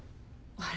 あれ？